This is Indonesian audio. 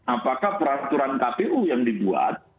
apakah peraturan kpu yang dibuat